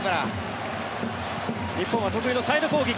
日本は得意のサイド攻撃。